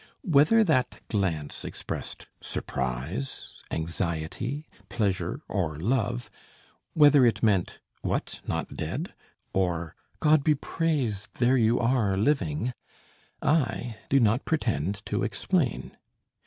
Whether that glance expressed surprise, anxiety, pleasure or love; whether it meant "What, not dead!" or "God be praised! There you are, living!" I do not pretend to explain.